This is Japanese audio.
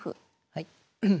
はい。